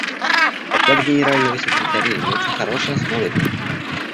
Доклад Генерального секретаря является хорошей основой для этого.